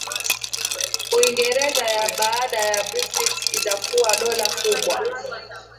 Uingereza ya baada ya Brexit itakuwa dola kubwa